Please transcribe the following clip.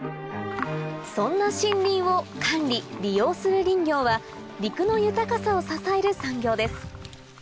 そんな森林を管理利用する林業は陸の豊かさを支える産業です